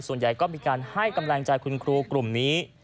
ส่วนใหญ่ก็มีการให้กำลังใจคุณครูกลุ่มนี้